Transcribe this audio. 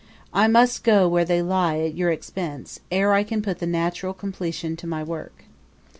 I must go where they lie at your expense, ere I can put the natural completion to my work.